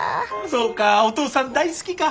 そうかお父さん大好きか。